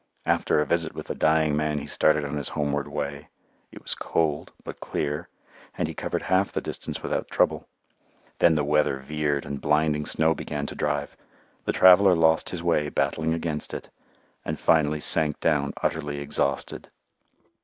After a visit with the dying man he started on his homeward way. It was cold but clear, and he covered half the distance without trouble. Then the weather veered and blinding snow began to drive. The traveller lost his way battling against it, and finally sank down utterly exhausted.